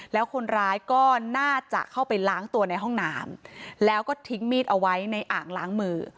แล้วคนร้ายก็น่าจะเข้าไปล้างตัวในห้องน้ำแล้วก็ทิ้งมีดเอาไว้ในอ่างล้างมือ